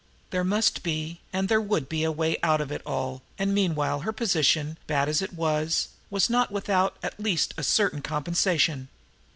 There must be, and there would be, a way out of it all, and meanwhile her position, bad as it was, was not without, at least, a certain compensation.